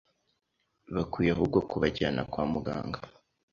Bakwiye ahubwo kubajyana kwa muganga.